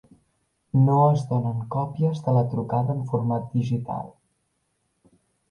No es donen còpies de la trucada en format digital.